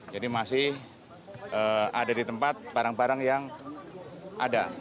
jadi masih ada di tempat barang barang yang ada